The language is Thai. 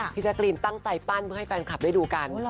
แจ๊กรีนตั้งใจปั้นเพื่อให้แฟนคลับได้ดูกัน